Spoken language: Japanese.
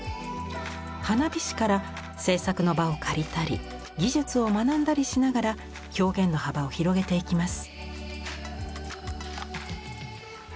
花火師から制作の場を借りたり技術を学んだりしながら表現の幅を広げていきます。